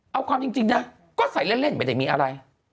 เอาความจริงนะก็ใส่เล่นไม่ได้มีอะไร